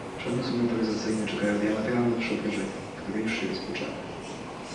Przemysł motoryzacyjny czekają diametralne przeobrażenia, które już się rozpoczęły